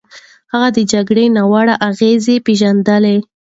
هغه د جګړې ناوړه اغېزې پېژندلې.